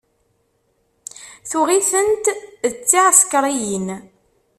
Tuɣ-itent d tiεsekriyin.